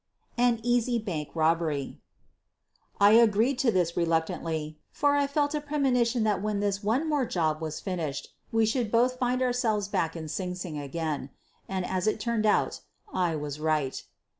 ' 7 AN EASY BANK EOBBEBY I agreed to this reluctantly, for I felt a premo nition that when this "one more job" was finished , we should both find ourselves back in Sing Sing, again. And, as it turned out, I was right.